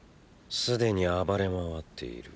すでに暴れ回っている。